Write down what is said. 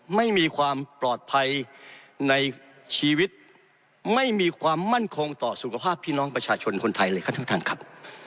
ไม่มีความปลอดภัยในชีวิตไม่มีความมั่นคงต่อสุขภาพพี่น้องประชาชนคนไทยเลยครับทุกท่านครับ